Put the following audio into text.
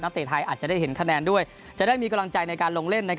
เตะไทยอาจจะได้เห็นคะแนนด้วยจะได้มีกำลังใจในการลงเล่น